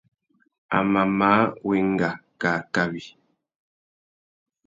A mà māh wenga kā kawi.